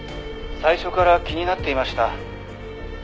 「最初から気になっていました」